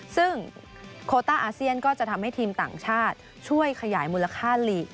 ซึ่งโคต้าอาเซียนก็จะทำให้ทีมต่างชาติช่วยขยายมูลค่าลีก